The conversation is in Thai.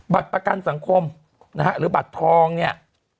บัตรประกันสังคมหรือบัตรทองเนี่ย